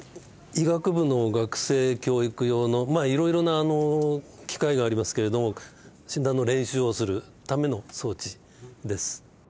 医学部の学生教育用のいろいろな機械がありますけれども診断の練習をするための装置です。